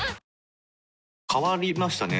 変わりましたね。